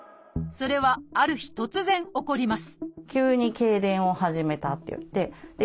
それはある日突然起こります